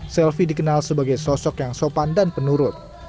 selvi dikenal sebagai sosok yang sopan dan penurut